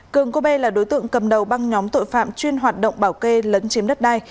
cường cô bê là đối tượng cầm đầu băng nhóm tội phạm chuyên hoạt động bảo kê lấn chiếm đất đai